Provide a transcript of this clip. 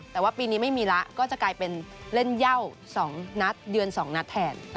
แต่ว่าปีนี้ไม่มีแล้วก็จะกลายเป็นเล่นเย่า๒นัดเยือน๒นัดแทน